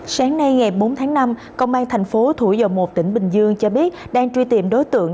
sáng nay ngày bốn tháng năm công an thành phố thủ dầu một tỉnh bình dương cho biết đang truy tìm đối tượng